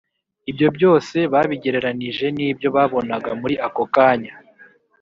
ibyo byose babigereranije n’ibyo babonaga muri ako kanya